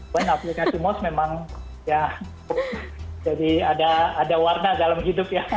poin aplikasi most memang ya jadi ada warna dalam hidup ya